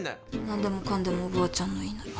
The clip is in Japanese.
何でもかんでもおばあちゃんの言いなり。